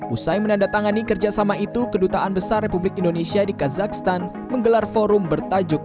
usai menandatangani kerjasama itu kedutaan besar republik indonesia di kazakhstan menggelar forum bertajuk